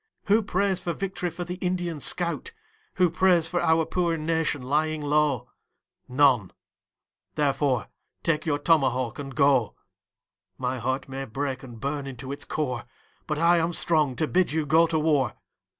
Who prays for vict'ry for the Indian scout? Who prays for our poor nation lying low? None therefore take your tomahawk and go. My heart may break and burn into its core, But I am strong to bid you go to war.